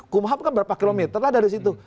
kumhab kan berapa kilometer lah dari situ